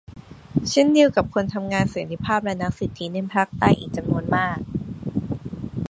เช่นเดียวกับคนทำงานสันติภาพและนักสิทธิในภาคใต้อีกจำนวนมาก